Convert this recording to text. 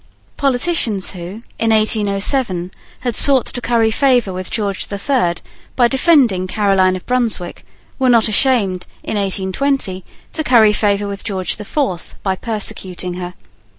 Politicians, who, in 1807, had sought to curry favour with George the Third by defending Caroline of Brunswick, were not ashamed, in 1820, to curry favour with George the Fourth by persecuting her.